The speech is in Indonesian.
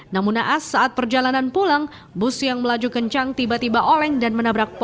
namun naas saat perjalanan pulang bus yang melaju kencang tiba tiba oleng dan menabrak pohon